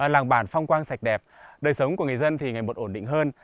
làng bản phong quang sạch đẹp đời sống của người dân thì ngày một ổn định hơn